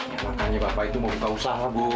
ya makanya bapak itu mau buka usaha bu